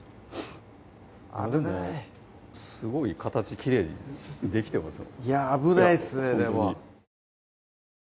危ないすごい形きれいにできてます